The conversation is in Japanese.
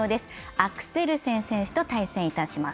アクセルセン選手と対戦します。